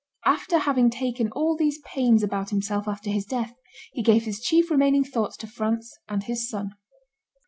After having taken all these pains about himself after his death, he gave his chief remaining thoughts to France and his son.